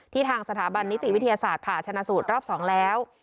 ทางสถาบันนิติวิทยาศาสตร์ผ่าชนะสูตรรอบ๒แล้ว